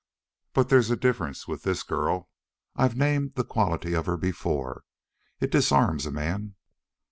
"But there's a difference with this girl. I've named the quality of her before it disarms a man."